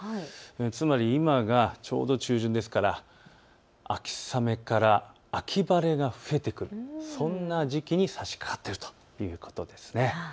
つまり今がちょうど中旬ですから秋雨から秋晴れが増えてくる、そんな時期に差しかかっているということです。